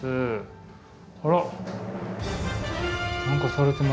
あら何かされてますね。